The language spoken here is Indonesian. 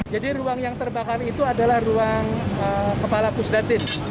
jadi ruang yang terbakar itu adalah ruang kepala pusdatin